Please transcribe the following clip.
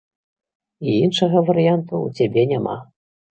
І іншага варыянту ў цябе няма.